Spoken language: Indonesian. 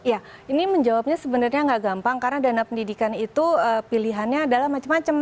ya ini menjawabnya sebenarnya nggak gampang karena dana pendidikan itu pilihannya adalah macam macam